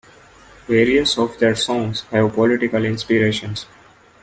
Various of their songs have political inspirations.